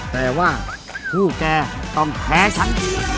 แต่ว่าผู้แกต้องแพ้ฉัน